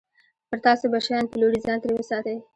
پر تاسو به شیان پلوري، ځان ترې وساتئ.